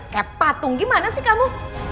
kayak patung gimana sih kamu